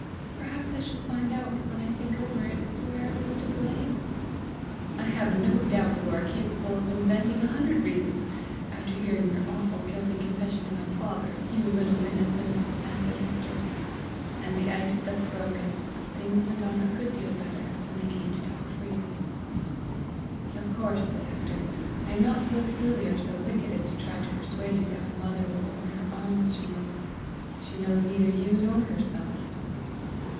Perhaps I shall find out, when I think over it, where I was to blame." "I have no doubt you are capable of inventing a hundred reasons after hearing your awful guilty confession to my father, you little innocent!" answered Hector. And the ice thus broken, things went on a good deal better, and they came to talk freely. "Of course," said Hector, "I am not so silly or so wicked as to try to persuade you that my mother will open her arms to you. She knows neither you nor herself."